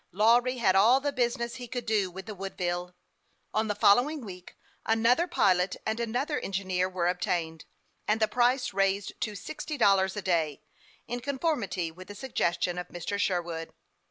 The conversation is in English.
Lawry had all the business he could do with the Woodville. On the following week, another pilot and another engineer were obtained, and the price raised to sixty dollars a day, in conformity with the suggestion of Mr. Sherwood.